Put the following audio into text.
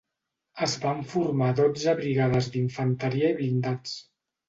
Es van formar dotze brigades d'infanteria i blindats.